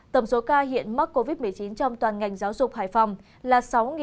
tổng số ca hiện mắc covid một mươi chín trong toàn ngành giáo dục hải phòng là sáu bốn trăm bảy mươi bảy